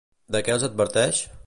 De què els adverteix?